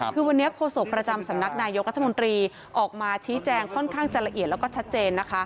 คือวันนี้โฆษกประจำสำนักนายกรัฐมนตรีออกมาชี้แจงค่อนข้างจะละเอียดแล้วก็ชัดเจนนะคะ